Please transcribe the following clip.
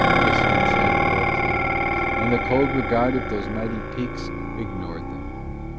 Distance had dwarfed them, and the cold regard of those mighty peaks ignored them.